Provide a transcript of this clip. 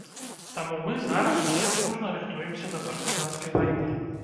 Таму мы зараз усе дружна рыхтуемся да партызанскай вайны.